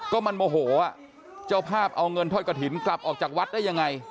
ก็มันโมโหเจ้าภาพเอาเงินทอดกระถิ่นกลับออกจากวัดได้ยังไง